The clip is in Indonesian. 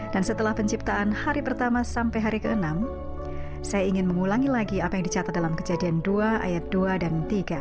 dan setelah penciptaan hari pertama sampai hari keenam saya ingin mengulangi lagi apa yang dicatat dalam kejadian dua ayat dua dan tiga